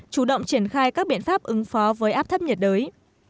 chủ động triển khai các biện pháp ứng phó với áp thấp nhiệt đới